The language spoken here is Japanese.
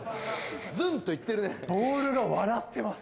ズンッといってるね。